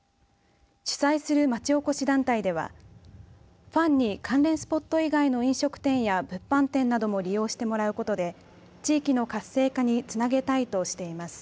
主催する、まちおこし団体ではファンに関連スポット以外の飲食店や物販店なども利用してもらうことで地域の活性化につなげたいとしています。